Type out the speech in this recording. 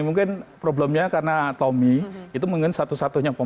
mungkin problemnya karena tommy itu mengenai satu satunya pemain yang lain